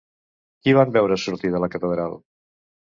Qui van veure sortir de la Catedral?